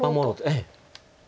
ええ。